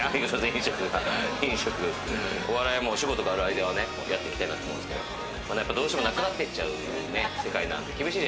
お笑いも仕事がある間は、やっていきたいなと思いますけれども、どうしてもなくなっちゃう世界なんで。